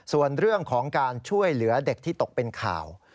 ส่วนเรื่องของการช่วยเหลือเด็กที่ตกเป็นข่าว